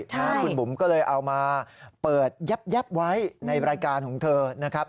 คุณบุ๋มก็เลยเอามาเปิดแย๊บไว้ในรายการของเธอนะครับ